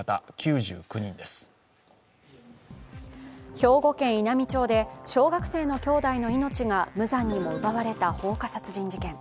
兵庫県稲美町で小学生の兄弟の命が無残にも奪われた放火殺人事件。